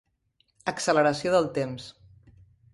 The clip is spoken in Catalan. Acceleració del temps,